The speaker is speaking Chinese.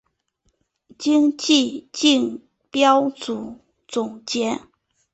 今季争标组总结。